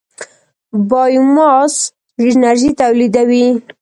بایوماس انرژي تولیدوي.